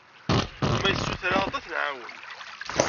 Ma yessuter-aɣ-d, ad t-nɛawen.